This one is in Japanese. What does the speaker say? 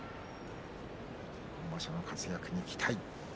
今場所の活躍を期待。